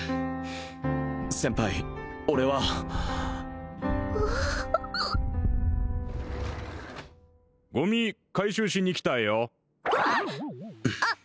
先輩俺はゴミ回収しに来たようわっ！